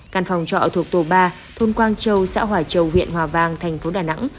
căn phòng trọ thuộc tổ ba thôn quang châu xã hòa châu huyện hòa vang thành phố đà nẵng